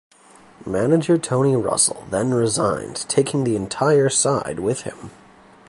Manager Tony Russell then resigned taking the entire side with him.